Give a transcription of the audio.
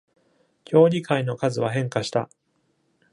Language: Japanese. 協議会の数は変化した。